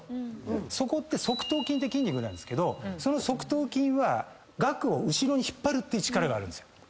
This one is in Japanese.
そこって側頭筋って筋肉なんですけどその側頭筋は顎を後ろに引っ張るっていう力があるんですよ。